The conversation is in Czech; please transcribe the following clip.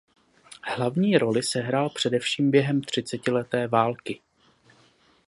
Hlavní roli sehrál především během třicetileté války.